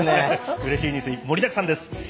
うれしいニュース盛りだくさんです。